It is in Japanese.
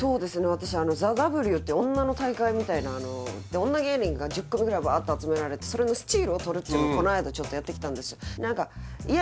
私「ＴＨＥＷ」って女の大会みたいな女芸人が１０組ぐらいバーッて集められてそれのスチールを撮るっていうのこの間やってきたんですいや